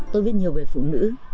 tôi viết nhiều về phụ nữ